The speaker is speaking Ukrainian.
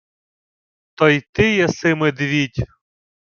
— То й ти єси медвідь?!